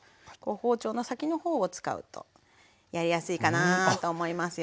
包丁の先のほうを使うとやりやすいかなと思いますよ。